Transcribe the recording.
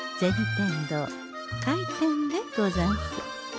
天堂開店でござんす。